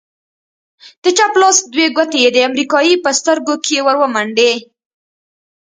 د چپ لاس دوې گوتې يې د امريکايي په سترگو کښې ورومنډې.